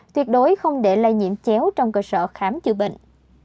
tuyệt đối không để lây nhiễm chéo trong cơ sở khám chữa bệnh